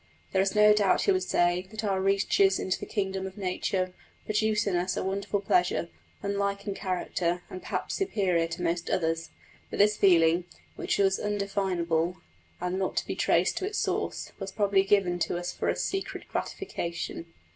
There is no doubt, he would say, that our researches into the kingdom of nature produce in us a wonderful pleasure, unlike in character and perhaps superior to most others; but this feeling, which was indefinable and not to be traced to its source, was probably given to us for a secret gratification.